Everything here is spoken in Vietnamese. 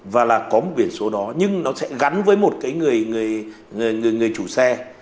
và là có một biển số đó nhưng nó sẽ gắn với một người chủ xe